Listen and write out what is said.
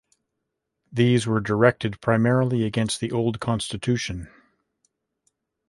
These were directed primarily against the old Constitution.